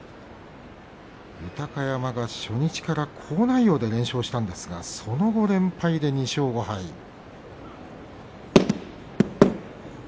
豊山、初日から好内容で連勝したんですがその後連敗で２勝５敗です。